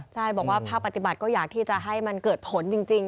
ใช่บอกว่าภาคปฏิบัติก็อยากที่จะให้มันเกิดผลจริง